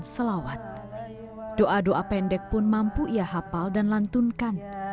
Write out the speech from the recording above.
ya rasul salam alaika